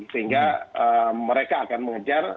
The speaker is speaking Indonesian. sehingga mereka akan mengejar